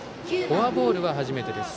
フォアボールは初めてです。